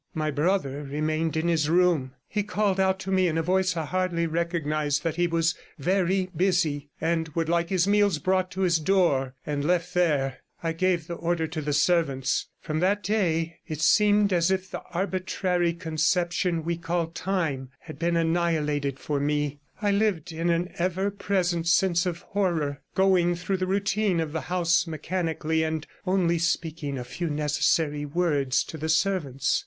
My brother remained in his room. He called out to me in a voice I hardly recognized that he was very busy, and would like his meals brought to his door and left there, and I gave the order to the servants. From that day it seemed as if the arbitrary conception we call time had been annihilated for me; I lived in an ever present sense of horror, going through the routine of the house mechanically, and only speaking a few necessary words to the servants.